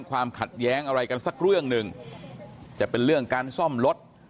ความขัดแย้งอะไรกันสักเรื่องหนึ่งจะเป็นเรื่องการซ่อมรถ